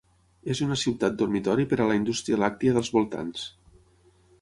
És una ciutat dormitori per a la indústria làctia dels voltants.